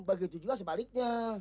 begitu juga sebaliknya